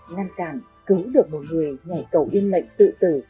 năn cản cứu được một người ngại cầu yên mệnh tự tử